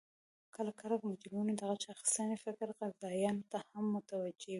کله کله د مجرمینو د غچ اخستنې فکر قاضیانو ته هم متوجه وي